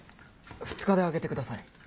２日であげてください。